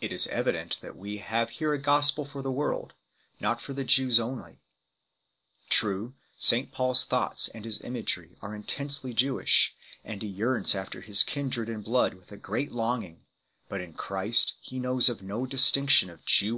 It is evident that we have here a Gospel for the world, not for the Jews only. True, St Paul s thoughts and imagery are intensely Jewish, and he yearns after his kindred in blood with a great longing 4 ; but in Christ he knows of no distinction of Jew 1 Clemens Komauus, ad Cor.